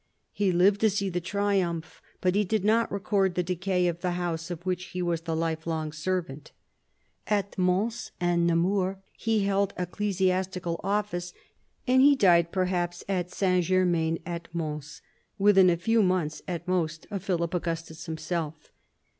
He lived to see the triumph but he did not record the decay of the house of which he was the lifelong servant. At Mons and at Namur he held ecclesiastical office, and he died, perhaps at S. Germain at Mons, within a few months at most of Philip Augustus himself.